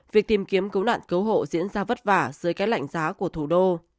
việc tìm kiếm cứu nạn cứu hộ diễn ra vất vả dưới các lãnh giá của thủ đô